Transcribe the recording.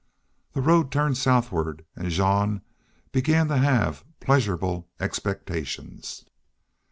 This road turned southward, and Jean began to have pleasurable expectations.